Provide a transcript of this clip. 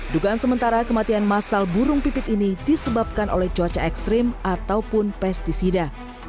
dugaan sementara kematian massal burung pipit ini disebabkan oleh cuaca ekstrim ataupun pesticida